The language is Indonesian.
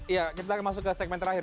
iya kita akan masuk ke segmen terakhir